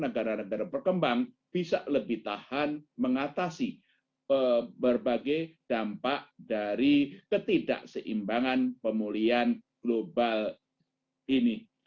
negara negara berkembang bisa lebih tahan mengatasi berbagai dampak dari ketidakseimbangan pemulihan global ini